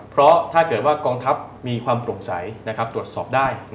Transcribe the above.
เพราะถ้าเกิดว่ากองทัพมีความโปร่งใสตรวจสอบได้